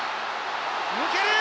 抜ける！